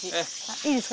いいですか？